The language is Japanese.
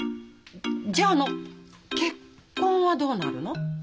じゃああの結婚はどうなるの？